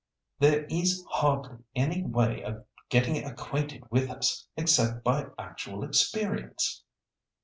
There is hardly any way of getting acquainted with us, except by actual experience."